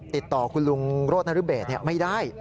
ติดต่อคุณลุงโรธนรเบศไม่ได้